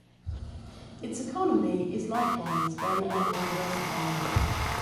Its economy is, likewise, very well-diversified.